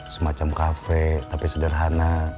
semacam kafe tapi sederhana